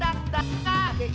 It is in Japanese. はい。